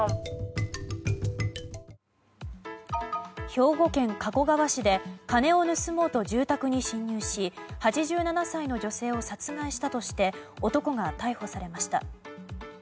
兵庫県加古川市で金を盗もうと住宅に侵入し８７歳の女性を殺害したとして男が逮捕されました。